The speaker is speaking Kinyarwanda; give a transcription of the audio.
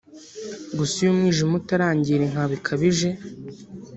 Gusa iyo umwijima utarangirinka bikabije